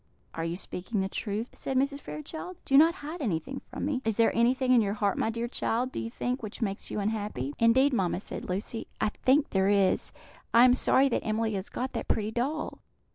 "Are you speaking the truth?" said Mrs. Fairchild. "Do not hide anything from me. Is there anything in your heart, my dear child, do you think, which makes you unhappy?" "Indeed, mamma," said Lucy, "I think there is. I am sorry that Emily has got that pretty doll.